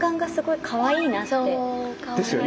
ですよね！